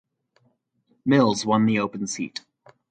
Mills won the open seat.